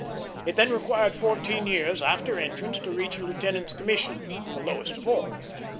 It then required fourteen years after entrance to reach a lieutenant's commission, the lowest of all.